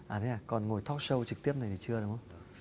à thế à còn ngồi talk show trực tiếp này thì chưa đúng không